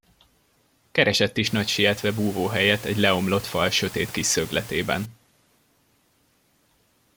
Keresett is nagy sietve búvóhelyet egy leomlott fal sötét kis szögletében.